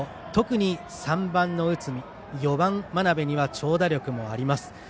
特に３番の内海４番、真鍋には長打力もあります。